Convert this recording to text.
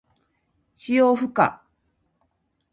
使用不可。